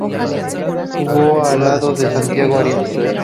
Jugó al lado de Santiago Arias.